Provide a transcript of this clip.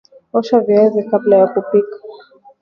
osha viazi kabla ya kupika